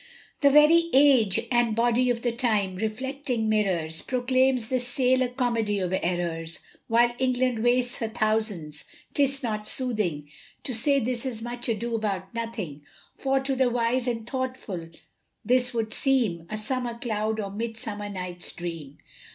The very age and body of the time (reflecting mirrors) Proclaims this sale a Comedy of Errors, While England wastes her thousands, 'tis not soothing, To say this is Much Ado about Nothing; For to the wise and thoughtful this would seem A summer cloud or Midsummer Night's Dream.